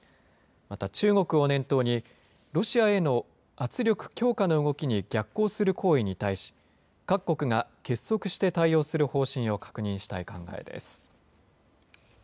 また中国を念頭に、ロシアへの圧力強化の動きに逆行する行為に対し、各国が、結束して対応する方針を確認したい考えです。